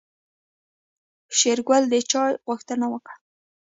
شېرګل د چاي غوښتنه وکړه.